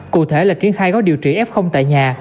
cụ thể là triển khai gói điều trị f tại nhà